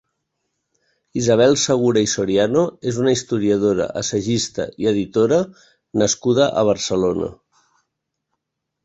Isabel Segura i Soriano és una historiadora, assagista i editora nascuda a Barcelona.